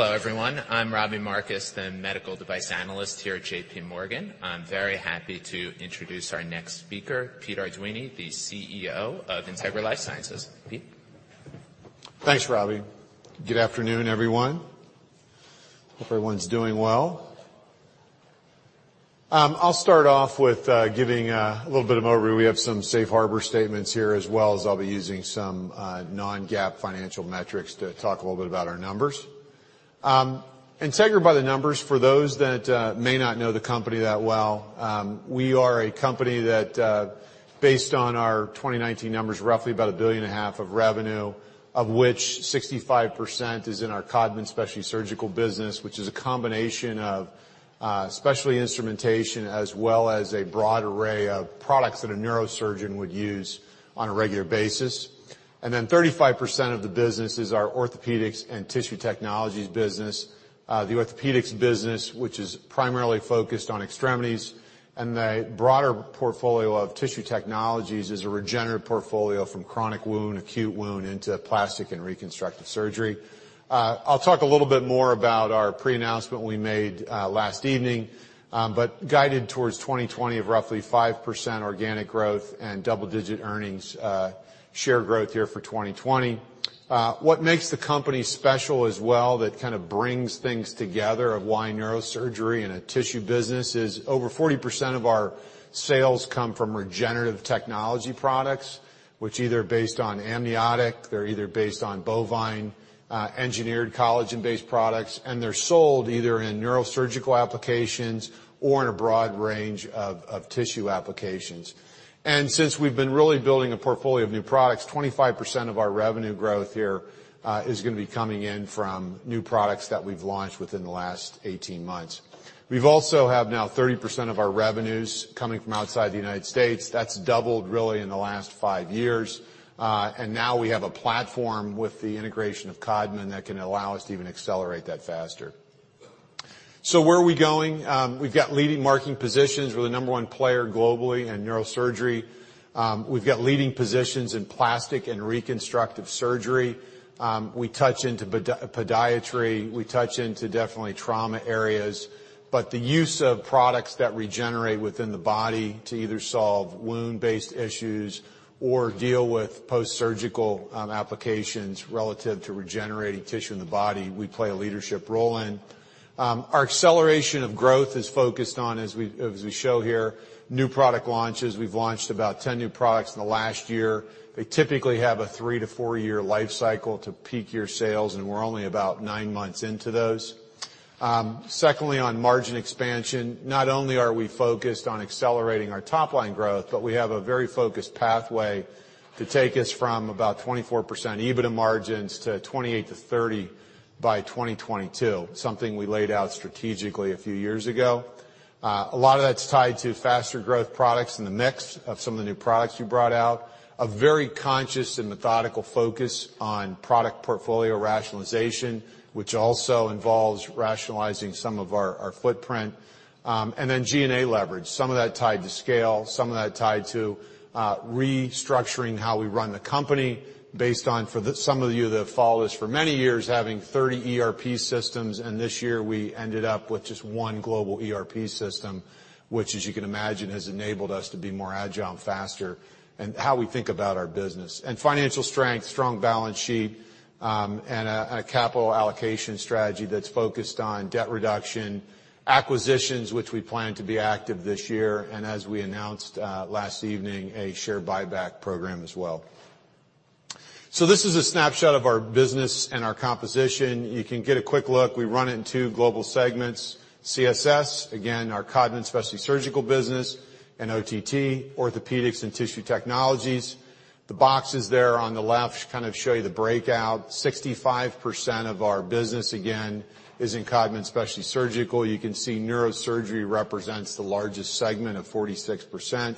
Hello, everyone. I'm Robbie Marcus, the Medical Device Analyst here at JPMorgan. I'm very happy to introduce our next speaker, Peter Arduini, the CEO of Integra LifeSciences. Peter. Thanks, Robbie. Good afternoon, everyone. Hope everyone's doing well. I'll start off with giving a little bit of overview. We have some safe harbor statements here, as well as I'll be using some non-GAAP financial metrics to talk a little bit about our numbers. Integra, by the numbers, for those that may not know the company that well, we are a company that, based on our 2019 numbers, roughly about $1.5 billion of revenue, of which 65% is in our Codman Specialty Surgical business, which is a combination of specialty instrumentation as well as a broad array of products that a neurosurgeon would use on a regular basis, and then 35% of the business is our Orthopedics and Tissue Technologies business. The orthopedics business, which is primarily focused on extremities, and the broader portfolio of tissue technologies is a regenerative portfolio from chronic wound, acute wound, into plastic and reconstructive surgery. I'll talk a little bit more about our pre-announcement we made last evening, but guided towards 2020 of roughly 5% organic growth and double-digit earnings per share growth here for 2020. What makes the company special, as well, that kind of brings things together of why neurosurgery and a tissue business is over 40% of our sales come from regenerative technology products, which are either based on amniotic, they're either based on bovine, engineered collagen-based products, and they're sold either in neurosurgical applications or in a broad range of tissue applications. And since we've been really building a portfolio of new products, 25% of our revenue growth here is going to be coming in from new products that we've launched within the last 18 months. We also have now 30% of our revenues coming from outside the United States. That's doubled, really, in the last five years. And now we have a platform with the integration of Codman that can allow us to even accelerate that faster. So where are we going? We've got leading marketing positions. We're the number one player globally in neurosurgery. We've got leading positions in plastic and reconstructive surgery. We touch into podiatry. We touch into, definitely, trauma areas. But the use of products that regenerate within the body to either solve wound-based issues or deal with post-surgical applications relative to regenerating tissue in the body, we play a leadership role in. Our acceleration of growth is focused on, as we show here, new product launches. We've launched about 10 new products in the last year. They typically have a three- to four-year life cycle to peak your sales, and we're only about nine months into those. Secondly, on margin expansion, not only are we focused on accelerating our top-line growth, but we have a very focused pathway to take us from about 24% EBITDA margins to 28%-30% by 2022, something we laid out strategically a few years ago. A lot of that's tied to faster growth products in the mix of some of the new products you brought out, a very conscious and methodical focus on product portfolio rationalization, which also involves rationalizing some of our footprint, and then G&A leverage. Some of that tied to scale. Some of that tied to restructuring how we run the company based on, for some of you that have followed us for many years, having 30 ERP systems, and this year we ended up with just one global ERP system, which, as you can imagine, has enabled us to be more agile and faster, and how we think about our business, and financial strength, strong balance sheet, and a capital allocation strategy that's focused on debt reduction, acquisitions, which we plan to be active this year, and, as we announced last evening, a share buyback program as well, so this is a snapshot of our business and our composition. You can get a quick look. We run it in two global segments: CSS, again, our Codman Specialty Surgical business, and OTT, Orthopedics and Tissue Technologies. The boxes there on the left kind of show you the breakout. 65% of our business, again, is in Codman Specialty Surgical. You can see neurosurgery represents the largest segment of 46%,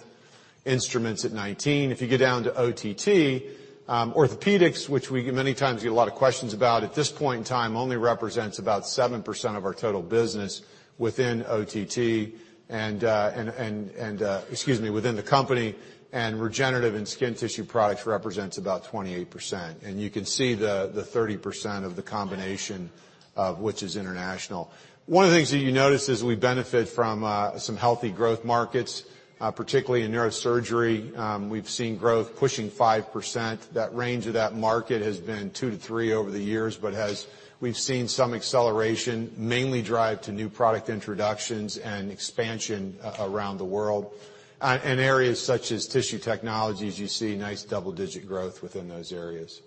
instruments at 19%. If you get down to OTT, orthopedics, which we many times get a lot of questions about, at this point in time only represents about 7% of our total business within OTT, and excuse me, within the company, and regenerative and skin tissue products represents about 28%, and you can see the 30% of the combination, which is international. One of the things that you notice is we benefit from some healthy growth markets, particularly in neurosurgery. We've seen growth pushing 5%. That range of that market has been 2%-3% over the years, but we've seen some acceleration mainly drive to new product introductions and expansion around the world. In areas such as tissue technologies, you see nice double-digit growth within those areas.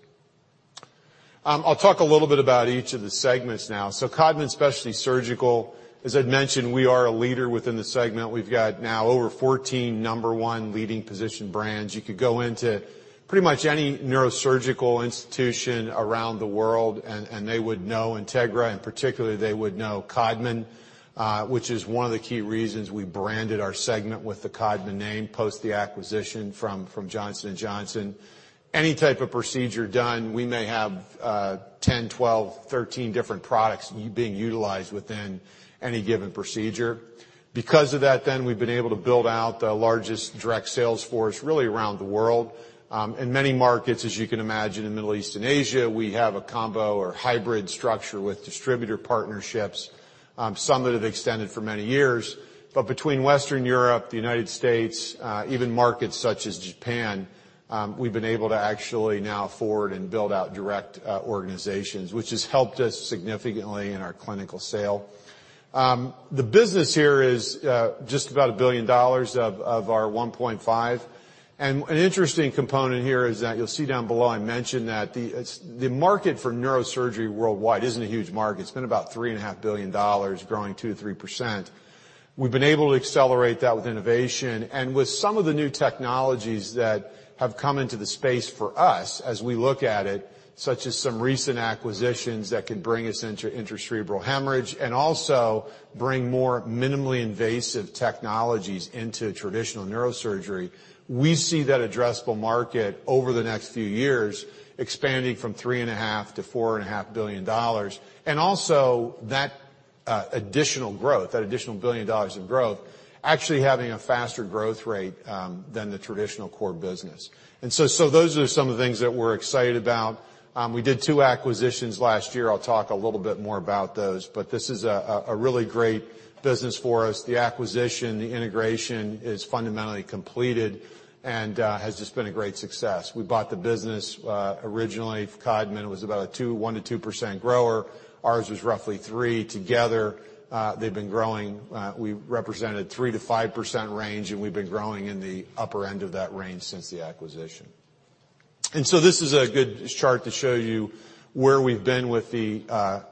I'll talk a little bit about each of the segments now. Codman Specialty Surgical, as I'd mentioned, we are a leader within the segment. We've got now over 14 number one leading position brands. You could go into pretty much any neurosurgical institution around the world, and they would know Integra. In particular, they would know Codman, which is one of the key reasons we branded our segment with the Codman name post the acquisition from Johnson & Johnson. Any type of procedure done, we may have 10, 12, 13 different products being utilized within any given procedure. Because of that, then, we've been able to build out the largest direct sales force really around the world. In many markets, as you can imagine, in the Middle East and Asia, we have a combo or hybrid structure with distributor partnerships. Some that have extended for many years. But between Western Europe, the United States, even markets such as Japan, we've been able to actually now move forward and build out direct organizations, which has helped us significantly in our clinical sales. The business here is just about $1 billion of our $1.5 billion. And an interesting component here is that you'll see down below I mentioned that the market for neurosurgery worldwide isn't a huge market. It's been about $3.5 billion, growing 2%-3%. We've been able to accelerate that with innovation. And with some of the new technologies that have come into the space for us, as we look at it, such as some recent acquisitions that can bring us into intracerebral hemorrhage and also bring more minimally invasive technologies into traditional neurosurgery, we see that addressable market over the next few years expanding from $3.5-$4.5 billion. Also, that additional growth, that additional $1 billion in growth, actually having a faster growth rate than the traditional core business. Those are some of the things that we're excited about. We did two acquisitions last year. I'll talk a little bit more about those. This is a really great business for us. The acquisition, the integration is fundamentally completed and has just been a great success. We bought the business originally from Codman. It was about a 1-2% grower. Ours was roughly 3%. Together, they've been growing. We represented 3-5% range, and we've been growing in the upper end of that range since the acquisition. This is a good chart to show you where we've been with the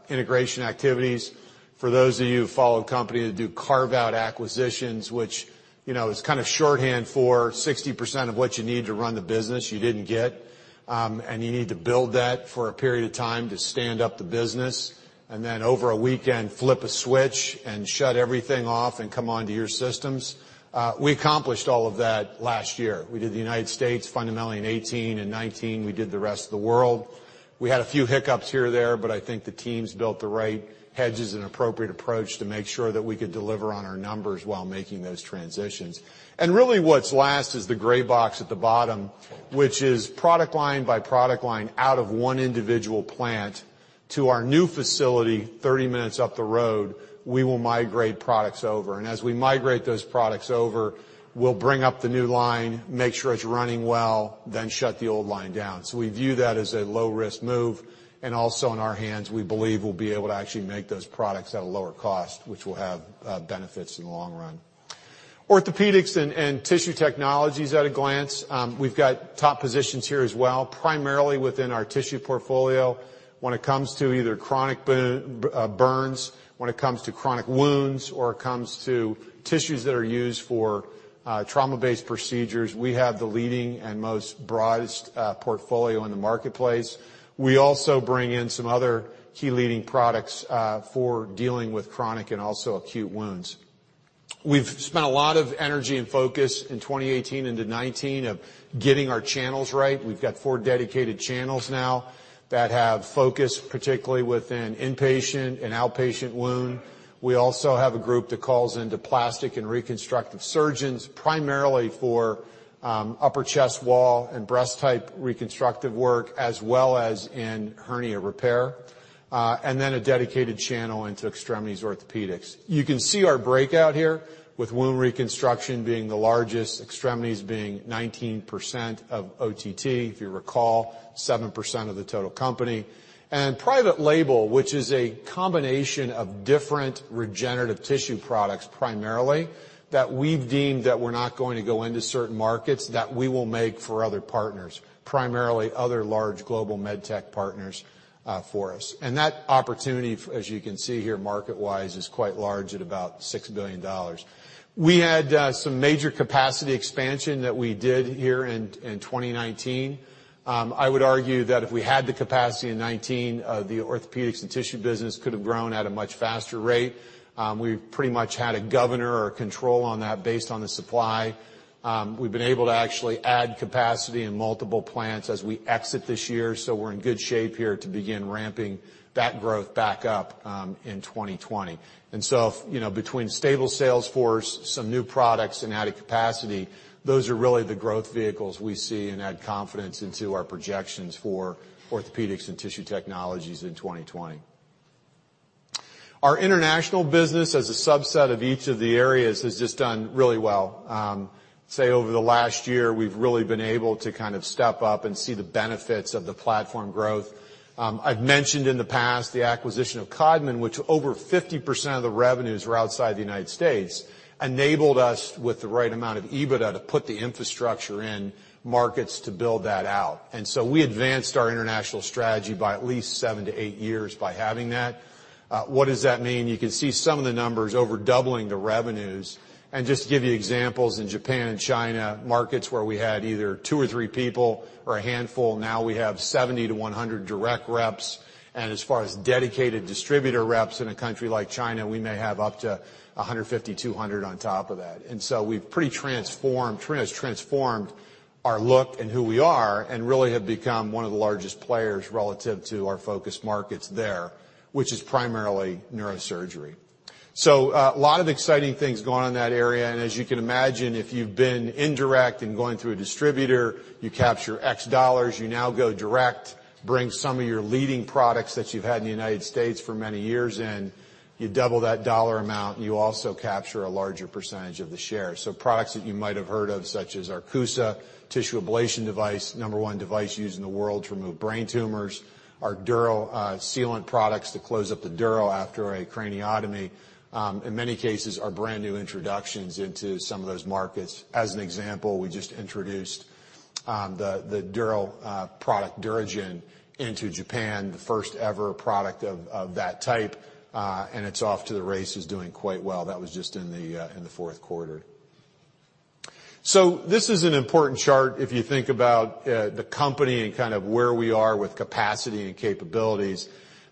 integration activities. For those of you who follow a company that do carve-out acquisitions, which is kind of shorthand for 60% of what you need to run the business you didn't get, and you need to build that for a period of time to stand up the business, and then over a weekend flip a switch and shut everything off and come onto your systems, we accomplished all of that last year. We did the United States fundamentally in 2018 and 2019. We did the rest of the world. We had a few hiccups here or there, but I think the teams built the right hedges and appropriate approach to make sure that we could deliver on our numbers while making those transitions. Really what's last is the gray box at the bottom, which is product line by product line out of one individual plant to our new facility 30 minutes up the road. We will migrate products over. As we migrate those products over, we'll bring up the new line, make sure it's running well, then shut the old line down. We view that as a low-risk move. Also in our hands, we believe we'll be able to actually make those products at a lower cost, which will have benefits in the long run. Orthopedics and Tissue Technologies at a glance. We've got top positions here as well, primarily within our tissue portfolio. When it comes to either chronic burns, when it comes to chronic wounds, or it comes to tissues that are used for trauma-based procedures, we have the leading and most broadest portfolio in the marketplace. We also bring in some other key leading products for dealing with chronic and also acute wounds. We've spent a lot of energy and focus in 2018 into 2019 of getting our channels right. We've got four dedicated channels now that have focus particularly within inpatient and outpatient wound. We also have a group that calls into plastic and reconstructive surgeons primarily for upper chest wall and breast-type reconstructive work, as well as in hernia repair, and then a dedicated channel into extremities orthopedics. You can see our breakout here with wound reconstruction being the largest, extremities being 19% of OTT, if you recall, 7% of the total company. And private label, which is a combination of different regenerative tissue products primarily that we've deemed that we're not going to go into certain markets that we will make for other partners, primarily other large global med tech partners for us. And that opportunity, as you can see here, market-wise, is quite large at about $6 billion. We had some major capacity expansion that we did here in 2019. I would argue that if we had the capacity in 2019, the orthopedics and tissue business could have grown at a much faster rate. We pretty much had a governor or control on that based on the supply. We've been able to actually add capacity in multiple plants as we exit this year. So we're in good shape here to begin ramping that growth back up in 2020. And so between stable sales force, some new products, and added capacity, those are really the growth vehicles we see and add confidence into our projections for orthopedics and tissue technologies in 2020. Our international business, as a subset of each of the areas, has just done really well. So, over the last year, we've really been able to kind of step up and see the benefits of the platform growth. I've mentioned in the past the acquisition of Codman, which over 50% of the revenues were outside the United States, enabled us with the right amount of EBITDA to put the infrastructure in markets to build that out. And so we advanced our international strategy by at least seven to eight years by having that. What does that mean? You can see some of the numbers over doubling the revenues. And just to give you examples in Japan and China, markets where we had either two or three people or a handful, now we have 70-100 direct reps. And as far as dedicated distributor reps in a country like China, we may have up to 150-200 on top of that. And so we've pretty transformed our look and who we are and really have become one of the largest players relative to our focus markets there, which is primarily neurosurgery. So a lot of exciting things going on in that area. And as you can imagine, if you've been indirect and going through a distributor, you capture X dollars, you now go direct, bring some of your leading products that you've had in the United States for many years in, you double that dollar amount, and you also capture a larger percentage of the share. So products that you might have heard of, such as our CUSA tissue ablation device, number one device used in the world to remove brain tumors, our dural sealant products to close up the dura after a craniotomy. In many cases, our brand new introductions into some of those markets. As an example, we just introduced the dural product DuraGen into Japan, the first ever product of that type, and it's off to the races doing quite well. That was just in the fourth quarter. So this is an important chart. If you think about the company and kind of where we are with capacity and capabilities,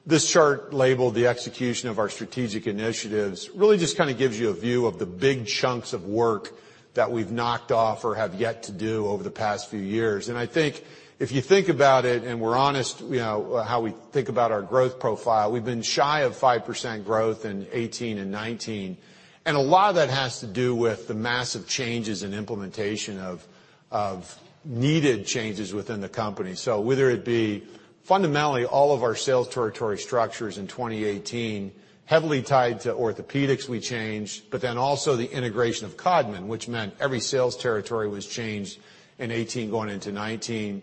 this chart labeled the execution of our strategic initiatives really just kind of gives you a view of the big chunks of work that we've knocked off or have yet to do over the past few years. And I think if you think about it, and we're honest how we think about our growth profile, we've been shy of 5% growth in 2018 and 2019. And a lot of that has to do with the massive changes and implementation of needed changes within the company. So whether it be fundamentally all of our sales territory structures in 2018, heavily tied to Orthopedics we changed, but then also the integration of Codman, which meant every sales territory was changed in 2018 going into 2019.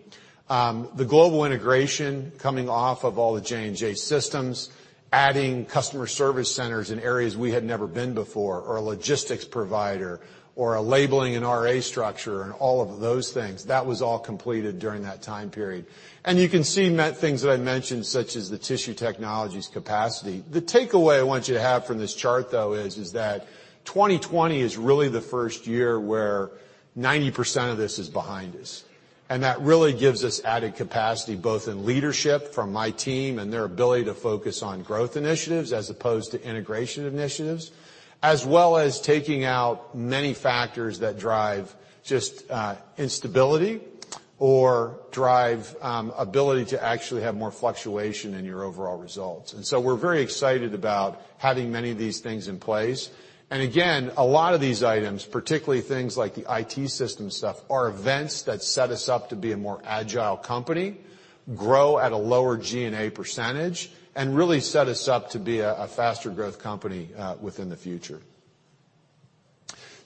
The global integration coming off of all the J&J systems, adding customer service centers in areas we had never been before, or a logistics provider, or a labeling and RA structure, and all of those things, that was all completed during that time period. And you can see things that I mentioned, such as the tissue technologies capacity. The takeaway I want you to have from this chart, though, is that 2020 is really the first year where 90% of this is behind us. That really gives us added capacity both in leadership from my team and their ability to focus on growth initiatives as opposed to integration initiatives, as well as taking out many factors that drive just instability or drive ability to actually have more fluctuation in your overall results. So we're very excited about having many of these things in place. Again, a lot of these items, particularly things like the IT system stuff, are events that set us up to be a more agile company, grow at a lower G&A percentage, and really set us up to be a faster growth company in the future.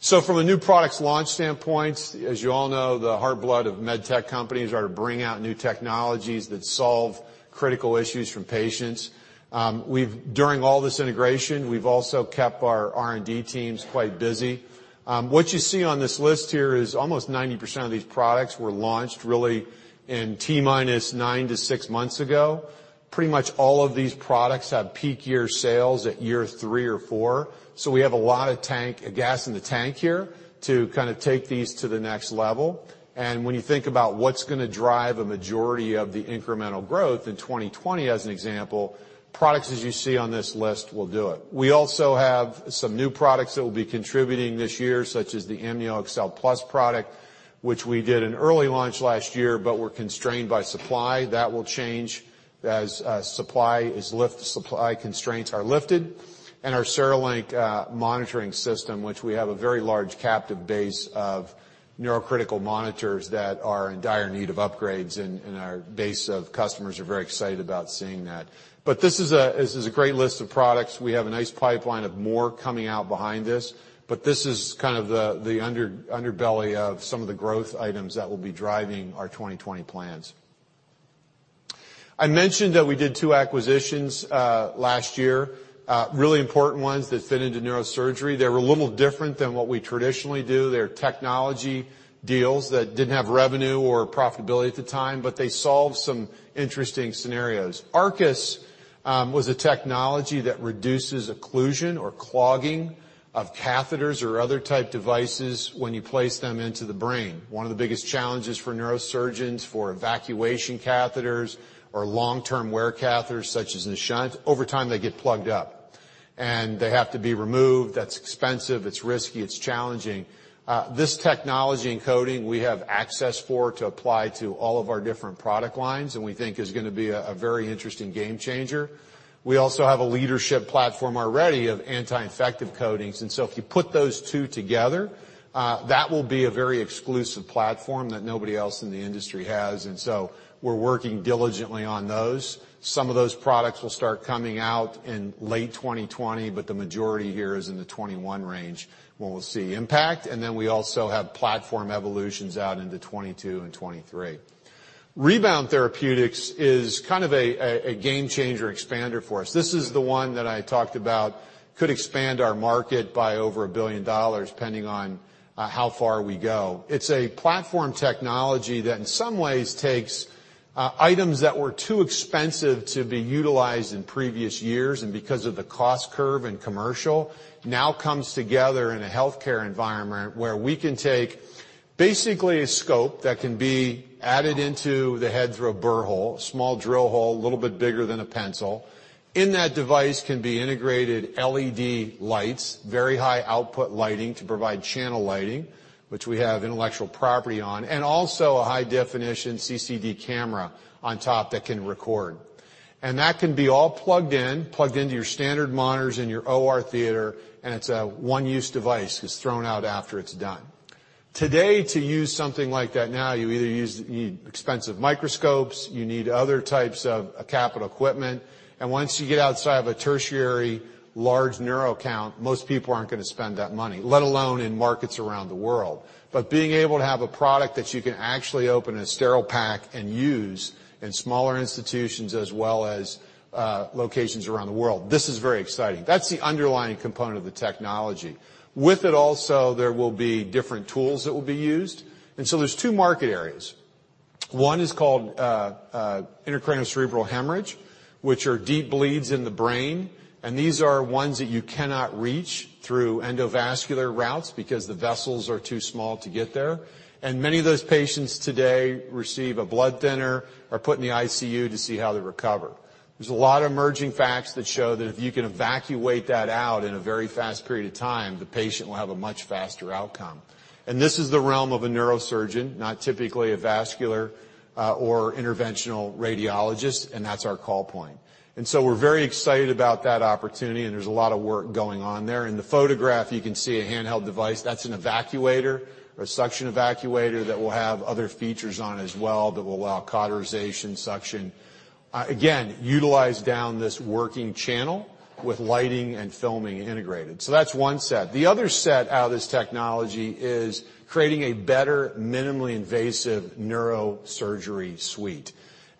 From a new products launch standpoint, as you all know, the lifeblood of med tech companies is to bring out new technologies that solve critical issues for patients. During all this integration, we've also kept our R&D teams quite busy. What you see on this list here is almost 90% of these products were launched really in T minus nine to six months ago. Pretty much all of these products have peak year sales at year three or four, so we have a lot of gas in the tank here to kind of take these to the next level, and when you think about what's going to drive a majority of the incremental growth in 2020, as an example, products as you see on this list will do it. We also have some new products that will be contributing this year, such as the AmnioExcel Plus product, which we did an early launch last year, but we're constrained by supply. That will change as supply constraints are lifted. And our CereLink monitoring system, which we have a very large captive base of neurocritical monitors that are in dire need of upgrades, and our base of customers are very excited about seeing that. But this is a great list of products. We have a nice pipeline of more coming out behind this, but this is kind of the underbelly of some of the growth items that will be driving our 2020 plans. I mentioned that we did two acquisitions last year, really important ones that fit into neurosurgery. They were a little different than what we traditionally do. They're technology deals that didn't have revenue or profitability at the time, but they solve some interesting scenarios. Arkis was a technology that reduces occlusion or clogging of catheters or other type devices when you place them into the brain. One of the biggest challenges for neurosurgeons for evacuation catheters or long-term wear catheters, such as a shunt, over time they get plugged up. And they have to be removed. That's expensive. It's risky. It's challenging. This technology and coating we have access for to apply to all of our different product lines, and we think is going to be a very interesting game changer. We also have a leading platform already of anti-infective coatings, and so if you put those two together, that will be a very exclusive platform that nobody else in the industry has, and so we're working diligently on those. Some of those products will start coming out in late 2020, but the majority here is in the 2021 range when we'll see impact, and then we also have platform evolutions out into 2022 and 2023. Rebound Therapeutics is kind of a game changer expander for us. This is the one that I talked about could expand our market by over $1 billion pending on how far we go. It's a platform technology that in some ways takes items that were too expensive to be utilized in previous years and because of the cost curve and commercial, now comes together in a healthcare environment where we can take basically a scope that can be added into the head through a burr hole, a small drill hole, a little bit bigger than a pencil. In that device can be integrated LED lights, very high output lighting to provide channel lighting, which we have intellectual property on, and also a high-definition CCD camera on top that can record. And that can be all plugged in, plugged into your standard monitors in your OR theater, and it's a one-use device that's thrown out after it's done. Today, to use something like that now, you either need expensive microscopes, you need other types of capital equipment, and once you get outside of a tertiary large neuro account, most people aren't going to spend that money, let alone in markets around the world. But being able to have a product that you can actually open a sterile pack and use in smaller institutions as well as locations around the world, this is very exciting. That's the underlying component of the technology. With it also, there will be different tools that will be used. And so there's two market areas. One is called intracerebral hemorrhage, which are deep bleeds in the brain. These are ones that you cannot reach through endovascular routes because the vessels are too small to get there. Many of those patients today receive a blood thinner or put in the ICU to see how they recover. There's a lot of emerging facts that show that if you can evacuate that out in a very fast period of time, the patient will have a much faster outcome. This is the realm of a neurosurgeon, not typically a vascular or interventional radiologist, and that's our call point so we're very excited about that opportunity, and there's a lot of work going on there. In the photograph, you can see a handheld device. That's an evacuator or a suction evacuator that will have other features on it as well that will allow cauterization, suction, again, utilize down this working channel with lighting and filming integrated. That's one set. The other set out of this technology is creating a better minimally invasive neurosurgery suite.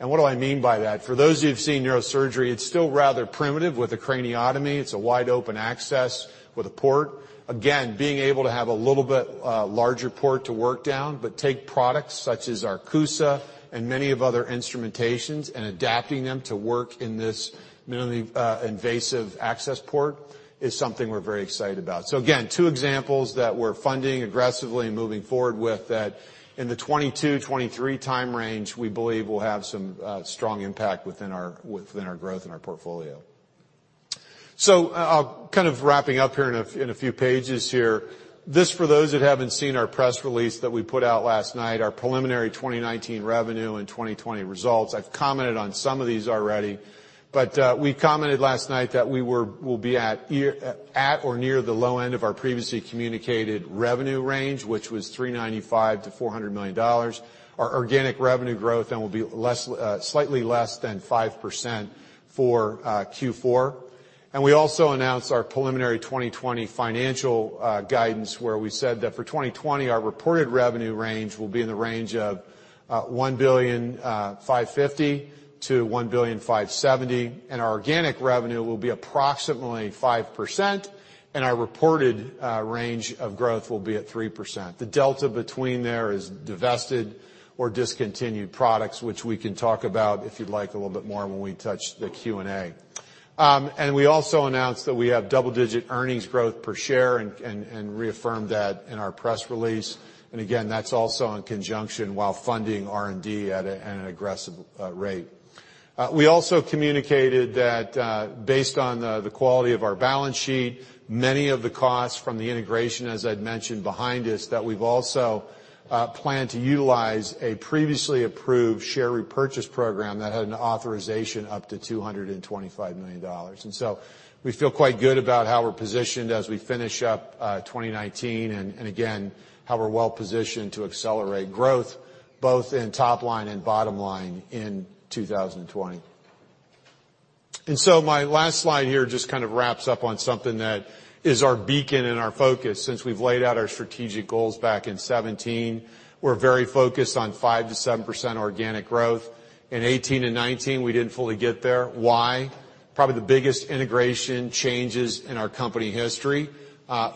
What do I mean by that? For those who have seen neurosurgery, it's still rather primitive with a craniotomy. It's a wide open access with a port. Again, being able to have a little bit larger port to work down, but take products such as our CUSA and many of other instrumentations and adapting them to work in this minimally invasive access port is something we're very excited about. Again, two examples that we're funding aggressively and moving forward with that in the 2022, 2023 time range, we believe will have some strong impact within our growth and our portfolio. So kind of wrapping up here in a few pages here, this for those that haven't seen our press release that we put out last night, our preliminary 2019 revenue and 2020 results. I've commented on some of these already, but we commented last night that we will be at or near the low end of our previously communicated revenue range, which was $395 million-$400 million. Our organic revenue growth then will be slightly less than 5% for Q4. And we also announced our preliminary 2020 financial guidance where we said that for 2020, our reported revenue range will be in the range of $1,550-$1,570, and our organic revenue will be approximately 5%, and our reported range of growth will be at 3%. The delta between there is divested or discontinued products, which we can talk about if you'd like a little bit more when we touch the Q&A. And we also announced that we have double-digit earnings growth per share and reaffirmed that in our press release. And again, that's also in conjunction while funding R&D at an aggressive rate. We also communicated that based on the quality of our balance sheet, many of the costs from the integration, as I'd mentioned, behind us that we've also planned to utilize a previously approved share repurchase program that had an authorization up to $225 million. And so we feel quite good about how we're positioned as we finish up 2019 and again, how we're well positioned to accelerate growth both in top line and bottom line in 2020. And so my last slide here just kind of wraps up on something that is our beacon and our focus. Since we've laid out our strategic goals back in 2017, we're very focused on 5%-7% organic growth. In 2018 and 2019, we didn't fully get there. Why? Probably the biggest integration changes in our company history.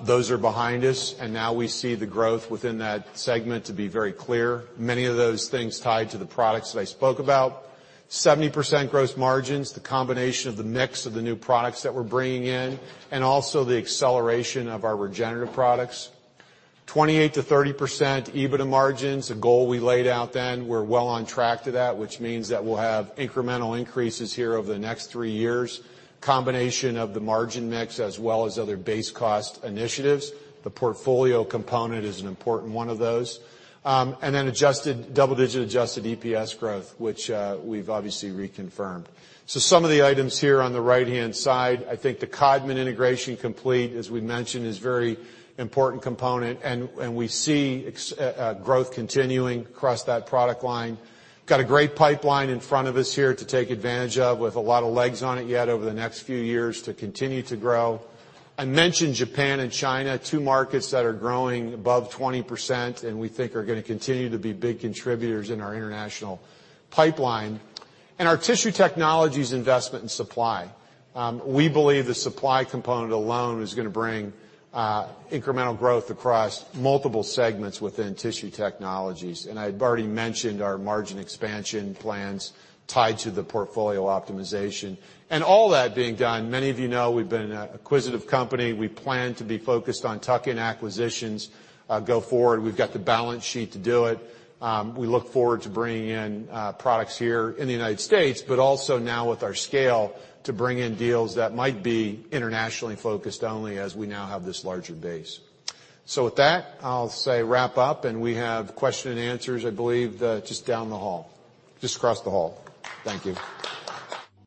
Those are behind us, and now we see the growth within that segment to be very clear. Many of those things tied to the products that I spoke about. 70% gross margins, the combination of the mix of the new products that we're bringing in, and also the acceleration of our regenerative products. 28%-30% EBITDA margins, a goal we laid out then. We're well on track to that, which means that we'll have incremental increases here over the next three years. Combination of the margin mix as well as other base cost initiatives. The portfolio component is an important one of those. And then double-digit adjusted EPS growth, which we've obviously reconfirmed. So some of the items here on the right-hand side, I think the Codman integration complete, as we mentioned, is a very important component, and we see growth continuing across that product line. Got a great pipeline in front of us here to take advantage of with a lot of legs on it yet over the next few years to continue to grow. I mentioned Japan and China, two markets that are growing above 20% and we think are going to continue to be big contributors in our international pipeline. And our tissue technologies investment and supply. We believe the supply component alone is going to bring incremental growth across multiple segments within tissue technologies. I've already mentioned our margin expansion plans tied to the portfolio optimization. All that being done, many of you know we've been an acquisitive company. We plan to be focused on tuck-in acquisitions going forward. We've got the balance sheet to do it. We look forward to bringing in products here in the United States, but also now with our scale to bring in deals that might be internationally focused only as we now have this larger base. With that, I'll wrap up, and we have questions and answers, I believe, just down the hall, just across the hall. Thank you.